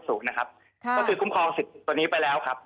ก็คือคุ้มครองสิทธิ์ตัวนี้ไปแล้วครับ